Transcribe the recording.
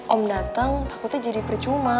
om datang takutnya jadi percuma